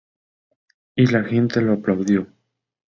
Y la gente lo aplaudió"".